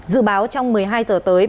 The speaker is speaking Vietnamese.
dự báo trong một mươi hai h tới